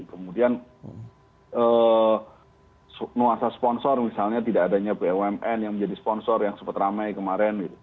kemudian nuansa sponsor misalnya tidak adanya bumn yang menjadi sponsor yang sempat ramai kemarin